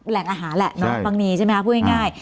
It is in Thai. แหล่งอาหารแหละเนาะบางนีใช่ไหมคะพูดง่าย